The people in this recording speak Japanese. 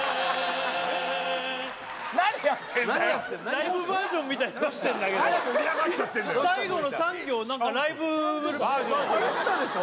ライブバージョンみたいになってんだけど最後の３行何かライブバージョンに張れてたでしょ？